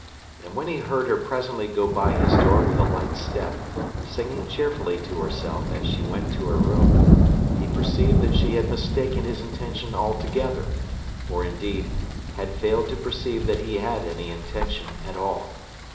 And when he heard her presently go by his door with a light step, singing cheerfully to herself as she went to her room, he perceived that she had mistaken his intention altogether, or, indeed, had failed to perceive that he had any intention at all.